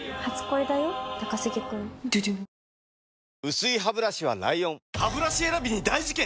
薄いハブラシは ＬＩＯＮハブラシ選びに大事件！